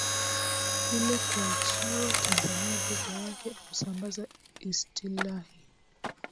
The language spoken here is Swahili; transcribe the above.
hilo kuachiwa Tanzania peke yake Kusamabaza Istilahi